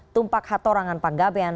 tumpak hatorangan panggabean